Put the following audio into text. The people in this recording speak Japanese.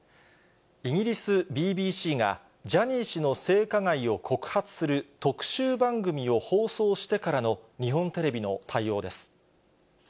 イギリスＢＢＣが、ジャニー氏の性加害を告発する特集番組を放送してからの日本テレビの対応です。